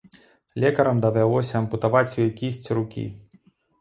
Лекарам давялося ампутаваць ёй кісць рукі.